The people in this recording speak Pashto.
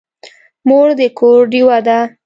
مور د کور ډېوه ده.